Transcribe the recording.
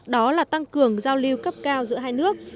đó là tăng cường giao lưu cấp cao giữa hai nước